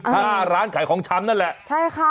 หน้าร้านขายของชำนั่นแหละใช่ค่ะ